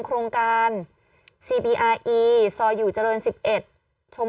กล้องกว้างอย่างเดียว